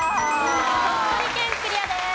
鳥取県クリアです。